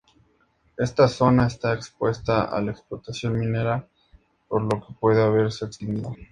Esta zona está expuesta a la explotación minera por lo que puede haberse extinguido.